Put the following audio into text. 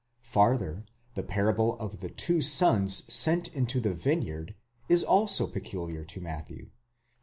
Farther, the parable of the two sons sent into the vineyard, is also peculiar to Matthew (xxi.